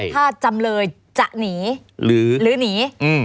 ถ้าจำเลยจะหนี